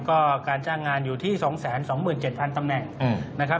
ก็การจ้างงานอยู่ที่๒๒๗๐๐ตำแหน่งนะครับ